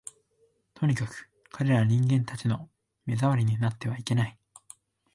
とにかく、彼等人間たちの目障りになってはいけない